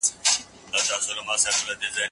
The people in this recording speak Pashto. د هغې سترګې د قالینې په خړو ګلانو کې نښتې وې.